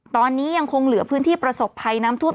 ตอนนี้ยังคงเหลือพื้นที่ประสบภัยน้ำท่วม